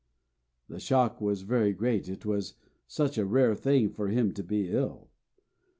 The shock was very great, it was such a rare thing for him to be ill.